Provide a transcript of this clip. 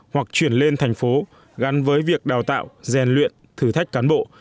hoặc chuyển lên thành phố gắn với việc đào tạo rèn luyện thử thách cán bộ